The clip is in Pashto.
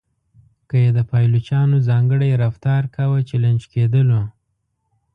که یې د پایلوچانو ځانګړی رفتار کاوه چلنج کېدلو.